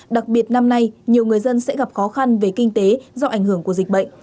đặc biệt năm nay nhiều người dân sẽ gặp khó khăn về kinh tế do ảnh hưởng của dịch bệnh